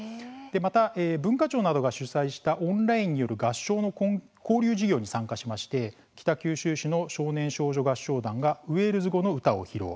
また文化庁が主催したオンラインによる合唱の交流事業に参加して北九州市の少年少女合唱団がウェールズ語の歌を披露。